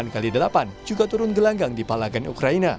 cesar juga turun gelanggang di palagan ukraina